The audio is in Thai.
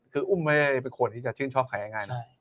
คืออุ้มไม่ได้เป็นคนที่จะชื่นชอบใครง่ายนะ